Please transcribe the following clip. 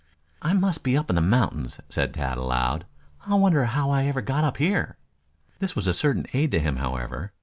"I must be up in the mountains," said Tad aloud. "I wonder how I ever got up here." This was a certain aid to him, however.